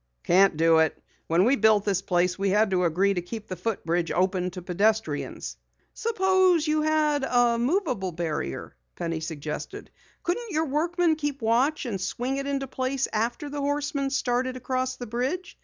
"Can't do it. When we built this place we had to agree to keep the footbridge open to pedestrians." "Suppose one had a moveable barrier," Penny suggested. "Couldn't your workmen keep watch and swing it into place after the Horseman started across the bridge?